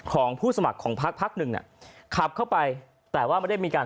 ของผู้สมัครของพักพักหนึ่งเนี่ยขับเข้าไปแต่ว่าไม่ได้มีการ